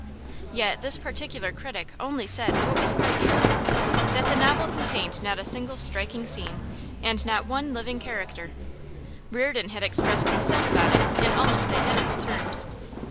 Yet this particular critic only said what was quite true that the novel contained not a single striking scene and not one living character; Reardon had expressed himself about it in almost identical terms.